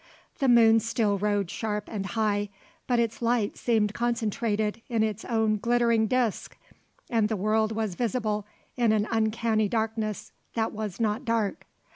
The moon still rode sharp and high, but its light seemed concentrated in its own glittering disk and the world was visible in an uncanny darkness that was not dark.